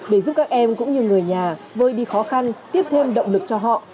để giúp các em cũng như người nhà vơi đi khó khăn tiếp thêm động lực cho họ